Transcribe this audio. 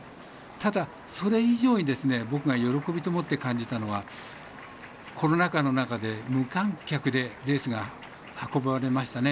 ただ、それ以上に僕が喜びと思って感じたのはコロナ禍の中で、無観客でレースが運ばれましたね。